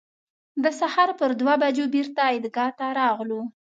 د سهار پر دوه بجو بېرته عیدګاه ته راغلو.